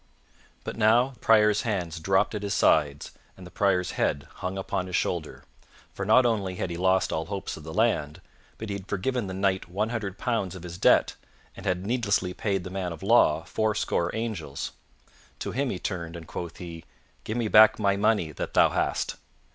But now the Prior's hands dropped at his sides and the Prior's head hung upon his shoulder, for not only had he lost all hopes of the land, but he had forgiven the Knight one hundred pounds of his debt and had needlessly paid the man of law fourscore angels. To him he turned, and quoth he, "Give me back my money that thou hast."